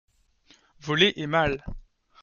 Voler est mal.